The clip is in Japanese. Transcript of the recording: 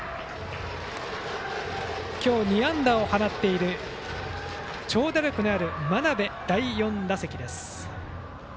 今日、２安打を放っている長打力のある真鍋の第４打席です。